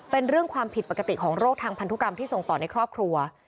เป็นเรื่องความผิดปกติของโรคทางพันธุกรรมที่ส่งต่อในครอบครัว